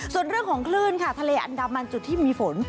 ส่วนเรื่องของคลื่นค่ะทะเลอันดามันจุดที่มีฝน